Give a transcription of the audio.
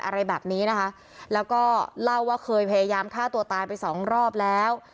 อะไรแบบนี้นะคะแล้วก็เล่าว่าเคยพยายามฆ่าตัวตายไปสองรอบแล้ว